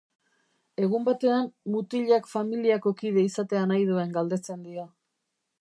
Egun batean, mutilak familiako kide izatea nahi duen galdetzen dio.